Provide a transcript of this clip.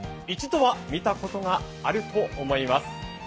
一度は見たことがあると思います。